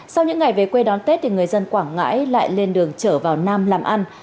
sau những ngày về quê đón tết người dân quảng ngãi lại lên đường chở vào nam làm ăn